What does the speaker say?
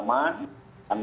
kami terus melakukan pendalaman